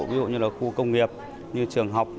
ví dụ như là khu công nghiệp như trường học